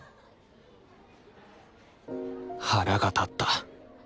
腹が立った。